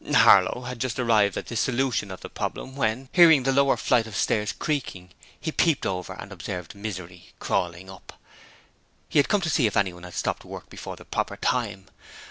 Harlow had just arrived at this solution of the problem when, hearing the lower flight of stairs creaking, he peeped over and observed Misery crawling up. He had come to see if anyone had stopped work before the proper time.